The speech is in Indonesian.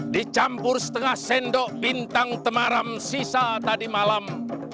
dicampur setengah sendok bintang temaram sisa tadi malam